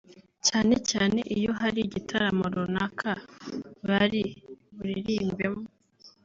cyane cyane iyo hari igitaramo runaka bari buririmbemo